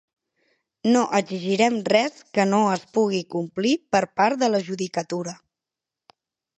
No exigirem res que no es pugui complir per part de la judicatura.